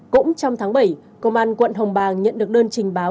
cũng trong tháng bảy công an quận hồng bàng nhận được đơn trình báo